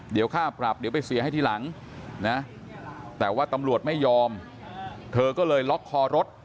เดี๋ยวค่าปรับเดี๋ยวไปเสียให้ทีหลังนะแต่ว่าตำรวจไม่ยอมเธอก็เลยล็อกคอรถ